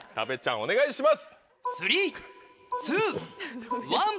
お願いします。